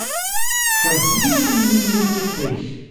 Ḥerz-iyi am mummu n tiṭ-ik.